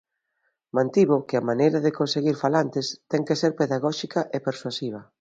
Mantivo que a maneira de conseguir falantes ten que ser pedagóxica e persuasiva.